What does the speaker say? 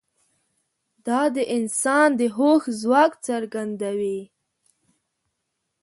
دا د انسان د هوښ ځواک څرګندوي.